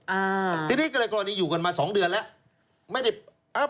อ้าวทีนี้ก็เลยอยู่กันมาสองเดือนแล้ว